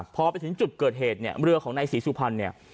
พอไปถึงจุดเกิดเหตุเมื่อของนายศรีสุภัล